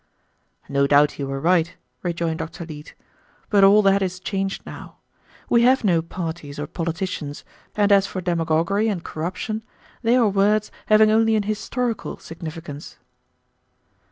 "No doubt you were right," rejoined Dr. Leete, "but all that is changed now. We have no parties or politicians, and as for demagoguery and corruption, they are words having only an historical significance."